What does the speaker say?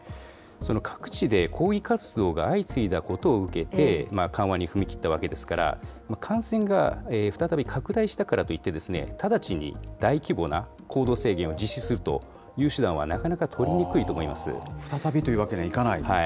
各地で抗議活動が相次いだことを受けて、緩和に踏み切ったわけですから、感染が再び拡大したからといって、直ちに大規模な行動制限を実施するという手段はなかなかとりにく再びというわけにはいかない